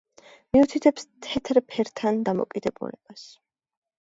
მიუთითებს თეთრ ფერთან დამოკიდებულებას.